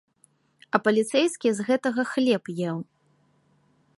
А паліцэйскі з гэтага хлеб еў.